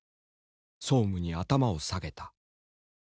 総務に頭を下げた。